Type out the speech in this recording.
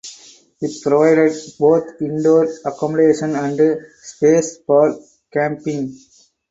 It provided both indoor accommodation and space for camping.